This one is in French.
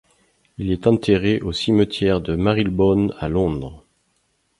Il est enterré au cimetière de Marylebone à Londres.